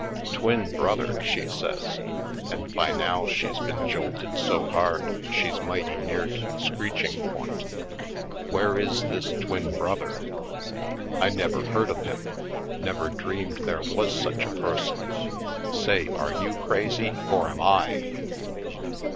"Twin brother!" she says, and by now she's been jolted so hard she's mighty near to the screeching point. "Where is this twin brother? I never heard of him — never dreamed there was such a person. Say, are you crazy or am I?"